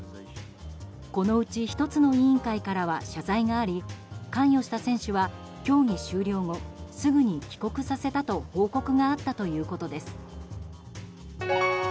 このうち、１つの委員会からは謝罪があり関与した選手は競技終了後すぐに帰国させたと報告があったということです。